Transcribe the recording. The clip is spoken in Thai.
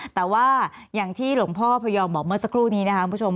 แต่ว่าอย่างที่หลวงพ่อพยอมบอกเมื่อสักครู่นี้นะครับคุณผู้ชม